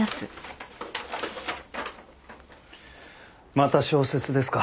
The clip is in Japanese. また小説ですか。